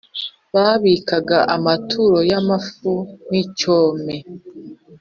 babikaga amaturo y’amafu n’icyome